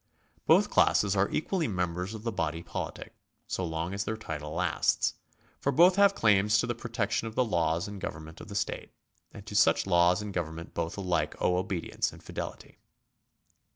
Both classes are equally members of the body politic, so long as their title lasts ; for both have claims to the protection of the laws and government of the state, and to such laws and government both alike owe obedience and fidelity.